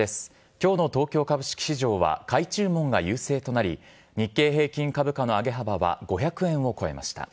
きょうの東京株式市場は買い注文が優勢となり、日経平均株価の上げ幅は５００円を超えました。